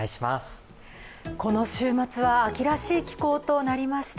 この週末は秋らしい気候となりました。